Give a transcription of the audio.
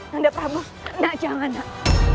nanda prabu kena jangan nak